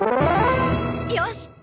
よし！